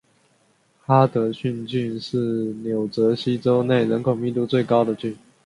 哈德逊郡是纽泽西州内人口密度最高的郡。